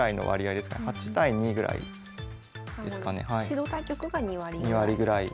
指導対局が２割ぐらい。